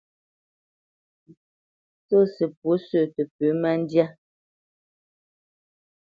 Tsɔ́si lâ mbwǒ sǝ̂ paʼ tǝ pǝ má ndyá.